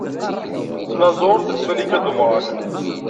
D tnaẓurt Malika Dumran.